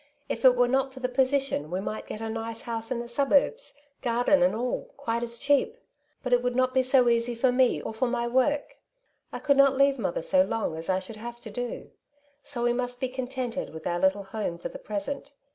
If it were not for the position, we might get a nice house in the suburbs, garden and all, quite as cheap. But it would not be so easy for me, or for my work. I could not leave mother so long, as I should have to do. So we must be con tented with our little home for the present.